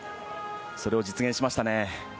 それを実現しましたね。